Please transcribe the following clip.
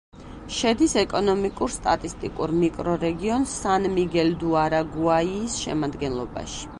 შედის ეკონომიკურ-სტატისტიკურ მიკრორეგიონ სან-მიგელ-დუ-არაგუაიის შემადგენლობაში.